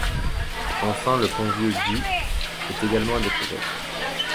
Enfin le Pont Vieux du est également à découvrir.